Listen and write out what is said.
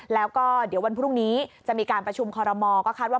แล้วก็เดี๋ยววันพรุ่งนี้จะมีการประชุมคอรมอก็คาดว่า